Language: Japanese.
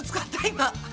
今。